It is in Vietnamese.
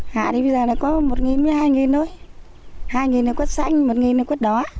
hạ thì bây giờ là có một nghìn hai nghìn thôi hai nghìn là quất xanh một nghìn là quất đỏ